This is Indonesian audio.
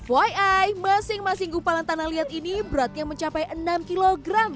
fyi masing masing gumpalan tanah liat ini beratnya mencapai enam kg